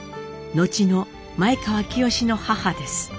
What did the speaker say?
後の前川清の母です。